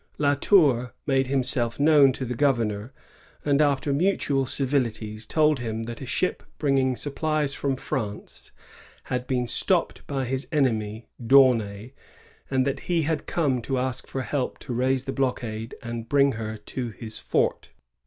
La Tour made himself known to the governor, and, after mutual civilities, told him that a ship bringing supplies from France had been stopped by his enemy, D'Aunay, and that he had come to ask for help to raise the blockade and bring her to his fort.